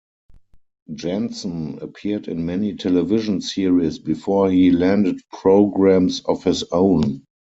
Janssen appeared in many television series before he landed programs of his own.